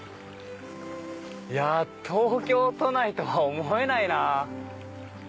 いや東京都内とは思えないな。